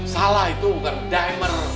salah itu bukan dimer